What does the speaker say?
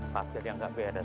pak jadi agak beda